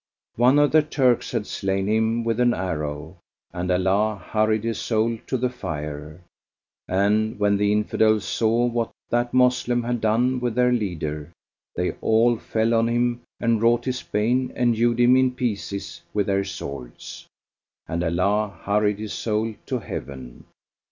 One of the Turks had slain him with an arrow, and Allah hurried his soul to the fire; and when the Infidels saw what that Moslem had done with their leader, they all fell on him and wrought his bane and hewed him in pieces with their swords, and Allah hurried his soul to Heaven.